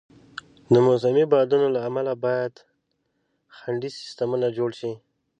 د موسمي بادونو له امله باید خنډي سیستمونه جوړ شي.